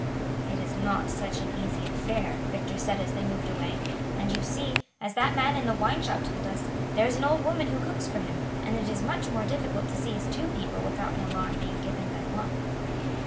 "It is not such an easy affair," Victor said as they moved away; "and you see, as that man in the wine shop told us, there is an old woman who cooks for him, and it is much more difficult to seize two people without an alarm being given than one."